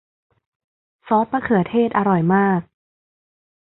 ซอสมะเขือเทศอร่อยมาก